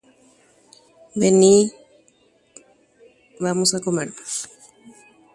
Eju jakaru.